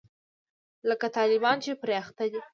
لکه طالبان چې پرې اخته دي.